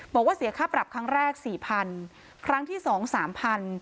บอกว่าเสียค่าปรับครั้งแรกสี่พันครั้งที่สองสามพัน